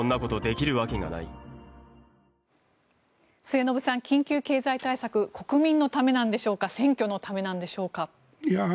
末延さん、緊急経済対策国民のためなんでしょうか選挙のためなんでしょうか。